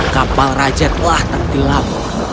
kapal raja telah tertilap